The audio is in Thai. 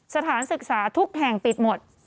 สถานศึกษาทุกแห่งปิดหมด